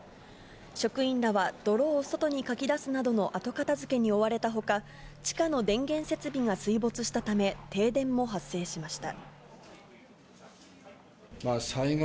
職員らは泥を外にかき出すなどの後片付けに追われた他、地下の電源設備が水没したため、停電も発生しました。